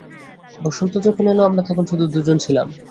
বসন্ত যখন এলো, আমরা তখন শুধু দুজন ছিলাম।